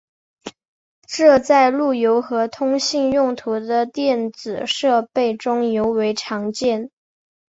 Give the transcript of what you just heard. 这在路由和通信用途的电子设备中尤为常见。